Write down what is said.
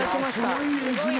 すごいね！